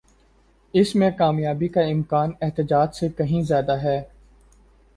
اس میں کامیابی کا امکان احتجاج سے کہیں زیادہ ہے۔